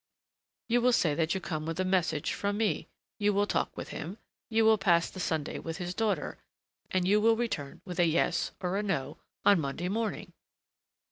You will say that you come with a message from me, you will talk with him, you will pass the Sunday with his daughter, and you will return with a yes or a no on Monday morning."